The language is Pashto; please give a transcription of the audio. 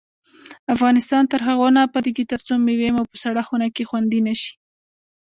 افغانستان تر هغو نه ابادیږي، ترڅو مېوې مو په سړه خونه کې خوندي نشي.